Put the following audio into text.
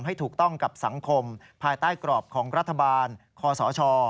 ให้ถูกต้องกับสังคมภายใต้กรอบของรัฐบาลคอสช